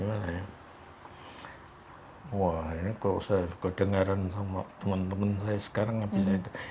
wah ini kalau saya dengar sama teman teman saya sekarang tidak bisa